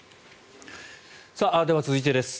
では、続いてです。